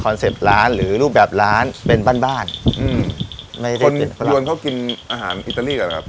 คอนเซ็ปต์ร้านหรือรูปแบบร้านเป็นบ้านบ้านอืมไม่ได้เป็นฝรั่งคนยวนเขากินอาหารอิตาลีกันครับ